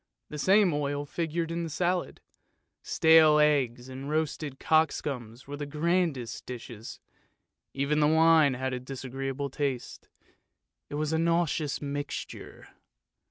The same oil figured in the salad; stale eggs and roasted cockscombs were the grandest dishes, even the wine had a disagreeable taste; it was a nauseous mixture.